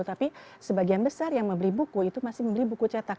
tapi sebagian besar yang membeli buku itu masih membeli buku cetak